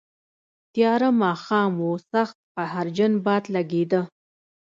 تیاره ماښام و، سخت قهرجن باد لګېده.